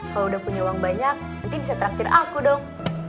kalau udah punya uang banyak nanti bisa traktir aku dong